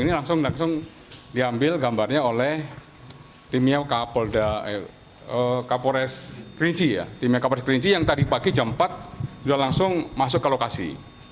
ini langsung diambil gambarnya oleh timnya kapolres kerinci ya timnya kapolres kerinci yang tadi pagi jam empat sudah langsung masuk ke lokasi